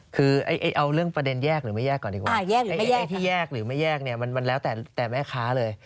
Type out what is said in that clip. คือเอาเรื่องประเด็นแยกหรือไม่แยกก่อนดีกว่าไอ้ที่แยกหรือไม่แยกเนี่ยมันแล้วแต่แม่ค้าเลย